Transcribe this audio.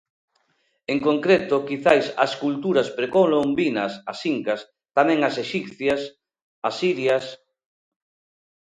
En concreto, quizais as culturas precolombinas -as incas-, tamén as exipcias, asirias...